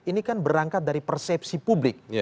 ini kan berangkat dari persepsi publik